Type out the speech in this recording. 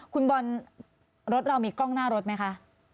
คุณบอลรถเรามีกล้องหน้ารถไหมคะ